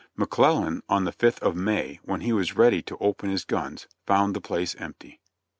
McClellan, on the 5th of May, when he was ready to open his guns, found the place empty.